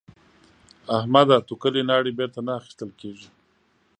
احمده؛ توکلې ناړې بېرته نه اخيستل کېږي.